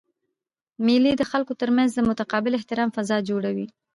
مېلې د خلکو ترمنځ د متقابل احترام فضا جوړوي.